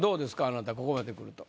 あなたここまでくると。